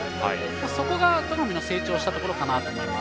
そこが戸上の成長したところかなと思います。